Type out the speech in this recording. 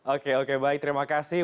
oke oke baik terima kasih